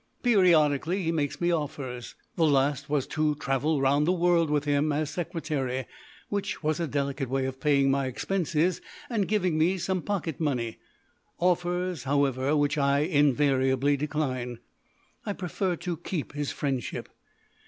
Periodically he makes me offers the last was to travel round the world with him as secretary, which was a delicate way of paying my expenses and giving me some pocket money offers, however, which I invariably decline. I prefer to keep his friendship.